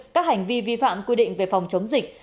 các hành vi vi phạm quy định về phòng chống dịch